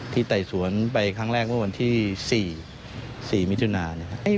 ไต่สวนไปครั้งแรกเมื่อวันที่๔มิถุนา